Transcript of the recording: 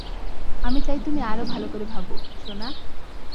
আমি চাই তুমি আরও ভালো করে ভাবো, সোনা।